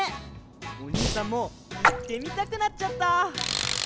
おにいさんもいってみたくなっちゃった！